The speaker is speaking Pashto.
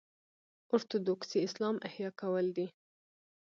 اورتوډوکسي اسلام احیا کول دي.